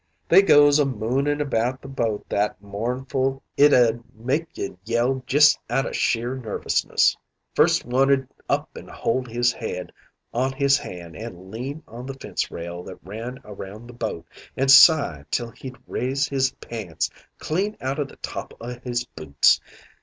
They goes a moonin' about the boat that mournful it 'ud make you yell jus' out o' sheer nervousness. First one 'ud up an' hold his head on his hand an' lean on the fence rail that ran around the boat, and sigh till he'd raise his pants clean outa the top o' his boots.